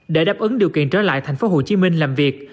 để đáp ứng điều kiện trở lại tp hcm làm việc